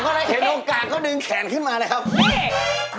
ก็เห็นโอกาสเขาดึงแขนขึ้นมาแหละครับ